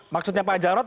maksudnya pak ajarot